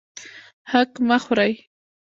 حق مه خورئ